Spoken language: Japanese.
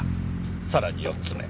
さらに４つ目。